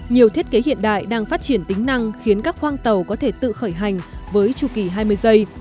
nhiều thiết kế hiện đại đang phát triển tính năng khiến các khoang tàu có thể tự khởi hành với chu kỳ hai mươi giây